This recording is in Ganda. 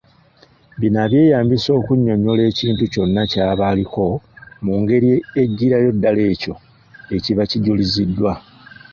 Bino abyeyambisa okunnyonnyola ekintu kyonna ky'aba aliko mu ngeri eggirayo ddala ekyo ekiba kijuliziddwa.